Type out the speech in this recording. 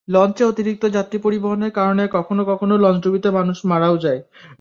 লঞ্চে অতিরিক্ত যাত্রী পরিবহনের কারণে কখনো কখনো লঞ্চডুবিতে মানুষ মারাও যায়।